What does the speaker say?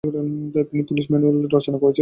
তিনি “police manual” রচনা করেছিলেন।